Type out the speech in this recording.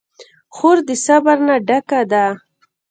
خور د صبر نه ډکه ده.